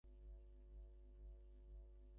সে যেমন মুখর তেমনি নিন্দুক।